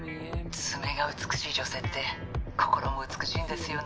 爪が美しい女性って心も美しいんですよね。